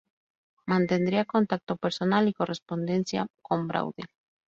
Mantendría contacto personal y correspondencia con Braudel.